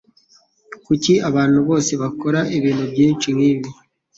Kuki abantu bose bakora ibintu byinshi nkibi?